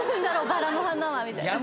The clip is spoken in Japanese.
バラの花はみたいな。